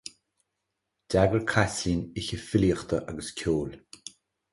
D'eagraigh Caitlín oíche filíochta agus ceoil